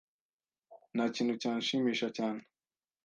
Nta kintu cyanshimisha cyane.